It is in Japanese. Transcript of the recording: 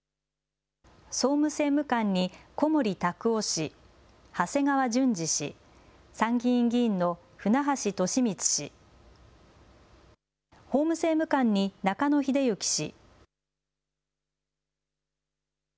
総務政務官に小森卓郎氏、長谷川淳二氏、、参議院議員の船橋利実氏、法務政務官に中野英幸氏。